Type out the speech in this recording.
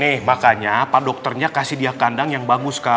eh makanya pak dokternya kasih dia kandang yang bagus kak